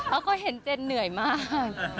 เขาก็เห็นเจนเหนื่อยมาก